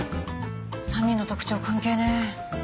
３人の特徴関係ねえ。